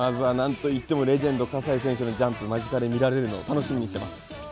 なんといってもレジェンド葛西紀明選手のジャンプを間近で見られるのを楽しみにしています。